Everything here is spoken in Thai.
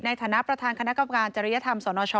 ในฐานะประธานคณะกรรมการจริยธรรมสนช